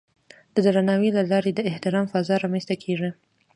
د درناوي له لارې د احترام فضا رامنځته کېږي.